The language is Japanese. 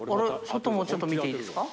外もちょっと見ていいですか？